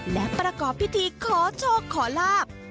และประกอบพิธีขอโชคขอลาบ